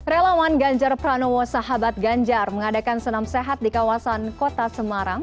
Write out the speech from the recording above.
relawan ganjar pranowo sahabat ganjar mengadakan senam sehat di kawasan kota semarang